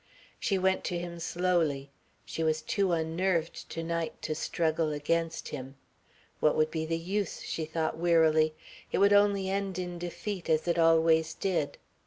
She went to him slowly. She was too unnerved to night to struggle against him. What would be the use? she thought wearily; it would only end in defeat as it always did.